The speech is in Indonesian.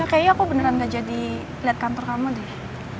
kayaknya aku beneran gak jadi lihat kantor kamu deh